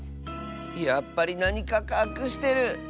やっぱりなにかかくしてる。